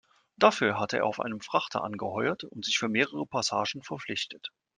Dafür hatte er auf einem Frachter angeheuert und sich für mehrere Passagen verpflichtet.